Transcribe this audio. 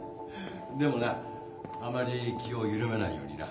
でもなあまり気を緩めないようにな